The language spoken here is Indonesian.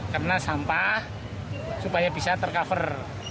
karena sampah supaya bisa ter cover